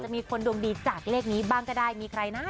มีคนดวงดีจากเลขนี้บ้างก็ได้มีใครนะ